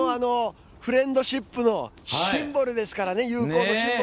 フレンドシップのシンボルですからね。